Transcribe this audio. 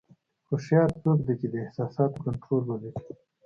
هوښیار څوک دی چې د احساساتو کنټرول ولري.